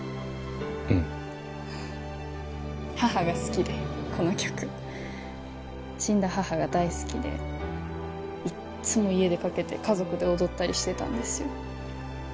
うん母が好きでこの曲死んだ母が大好きでいっつも家でかけて家族で踊ったりしてたんですよ